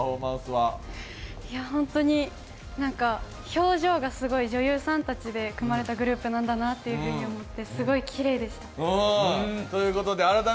本当に表情がすごい女優さんたちで組まれたグループなんだなと思って